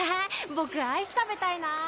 僕アイス食べたいな！